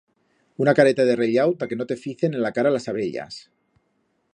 Una careta de rellau ta que no te ficen en la cara las abellas.